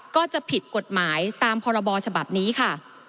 ก็จะผิดกฎหมายตามพรบฉบับนี้ค่ะ